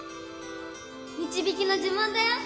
導きの呪文だよ！